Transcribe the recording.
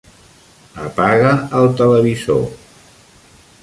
Apaga el televisor.